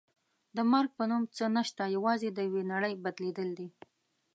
د مرګ په نوم څه نشته یوازې د یوې نړۍ بدلېدل دي.